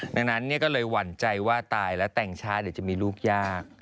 ดังนั้นก็เลยหวั่นใจว่าตายแล้วแต่งช้าเดี๋ยวจะมีลูกยาก